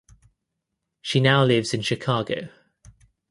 She now lives in Chicago.